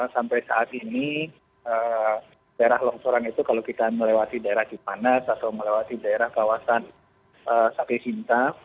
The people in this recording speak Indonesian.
sampai saat ini daerah longsoran itu kalau kita melewati daerah cipanas atau melewati daerah kawasan sapi sinta